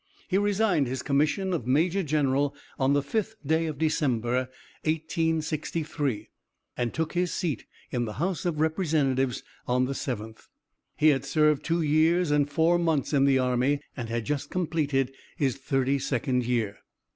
He resigned his commission of major general on the 5th day of December, 1863, and took his seat in the House of Representatives on the 7th. He had served two years and four months in the army, and had just completed his thirty second year.